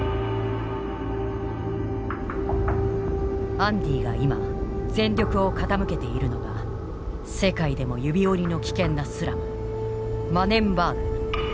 アンディが今全力を傾けているのが世界でも指折りの危険なスラムマネンバーグ。